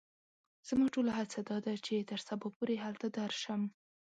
زما ټوله هڅه دا ده چې تر سبا پوري هلته درشم.